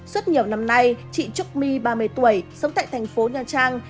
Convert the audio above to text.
suốt nhiều năm nay chị trúc my ba mươi tuổi sống tại thành phố nha trang